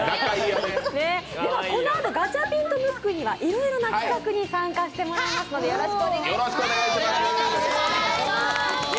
このあとガチャピンとムックにはいろいろな企画に参加してもらいますのでよろしくお願いします。